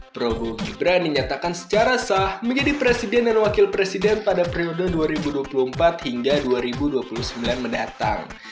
prabowo gibran menyatakan secara sah menjadi presiden dan wakil presiden pada periode dua ribu dua puluh empat hingga dua ribu dua puluh sembilan mendatang